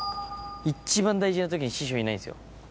一番大事な時に師匠いないんですよ。